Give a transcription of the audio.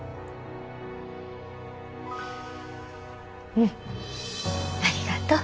うんありがとう。